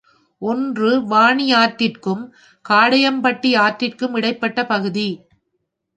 ஒன்று வாணியாற்றிற்கும் காடையாம்பட்டி ஆற்றிற்கும் இடைப்பட்ட பகுதி.